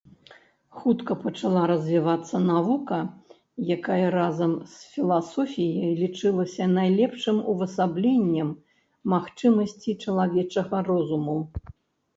Хутка пачала развівацца навука, якая разам з філасофіяй лічылася найлепшым увасабленнем магчымасцей чалавечага розуму.